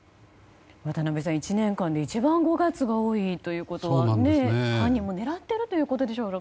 渡辺さん、１年間で一番５月が多いということで犯人も狙っているということでしょうから。